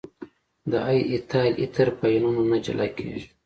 دای ایتایل ایتر په آیونونو نه جلا کیږي.